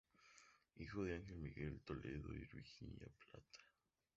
Hijo de Ángel Miguel Toledo y Virginia Plata.